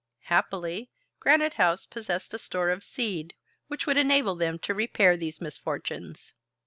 Happily, Granite House possessed a store of seed which would enable them to repair these misfortunes.